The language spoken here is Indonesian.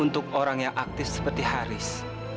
untuk orang yang aktif seperti haris